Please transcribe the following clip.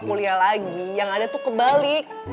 kuliah lagi yang ada tuh kebalik